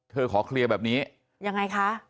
ขอเคลียร์แบบนี้ยังไงคะ